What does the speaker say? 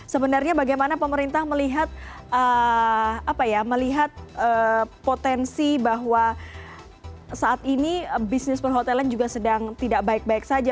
sebenarnya bagaimana pemerintah melihat potensi bahwa saat ini bisnis perhotelan juga sedang tidak baik baik saja